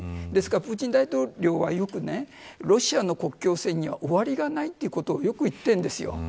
ですからプーチン大統領はよく、ロシアの国境線には終わりがないと言っているんです。